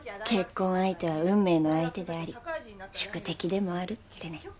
結婚相手は運命の相手であり宿敵でもあるってね。